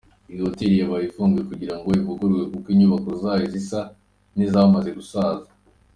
Iyi hotel yabaye ifunzwe kugirango ivugururwe kuko inyubako zayo zisa n’izamaze gusaza.